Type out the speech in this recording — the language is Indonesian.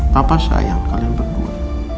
papa sayang kalian berdua